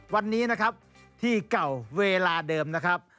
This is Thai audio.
วันนี้นะครับที่เก่าเวลาเดิมนะครับ